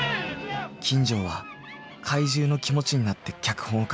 金城は怪獣の気持ちになって脚本を書く。